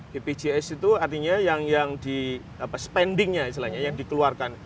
bpjs itu artinya yang di spendingnya istilahnya yang dikeluarkan